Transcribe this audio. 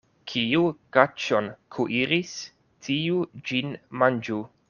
Kiu kaĉon kuiris, tiu ĝin manĝu.